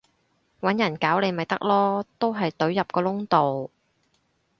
搵人搞你咪得囉，都係隊入個窿度